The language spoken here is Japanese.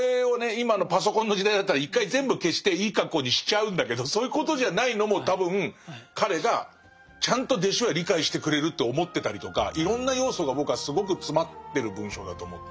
今のパソコンの時代だったら一回全部消していい格好にしちゃうんだけどそういうことじゃないのも多分彼がちゃんと弟子は理解してくれるって思ってたりとかいろんな要素が僕はすごく詰まってる文章だと思って。